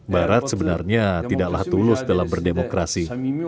barat sebenarnya tidaklah tulus dalam berdemokrasi